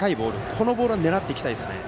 これは狙っていきたいですね。